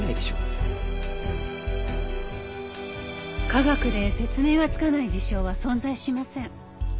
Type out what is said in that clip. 科学で説明がつかない事象は存在しません。